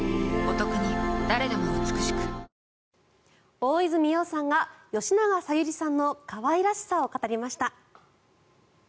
大泉洋さんが吉永小百合さんの可愛らしさを語りました。